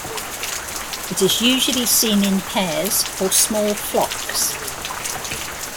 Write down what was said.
It is usually seen in pairs or small flocks.